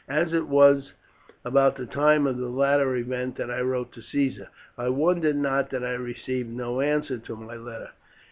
As it was about the time of the latter event that I wrote to Caesar, I wondered not that I received no answer to my letter.